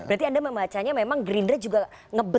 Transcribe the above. berarti anda memacanya memang gerindra juga ngebet banget